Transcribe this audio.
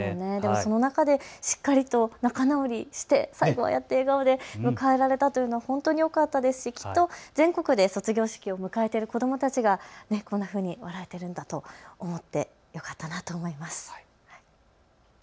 その中でしっかりと仲直りして最後笑顔で迎えられたというのは本当によかったですしきっと全国で卒業式を迎えている子どもたちがこういうふうに笑っていると思ってよかったなと思います。